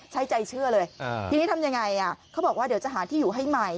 ใจเชื่อเลยทีนี้ทำยังไงเขาบอกว่าเดี๋ยวจะหาที่อยู่ให้ใหม่